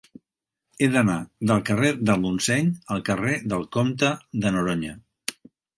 He d'anar del carrer del Montseny al carrer del Comte de Noroña.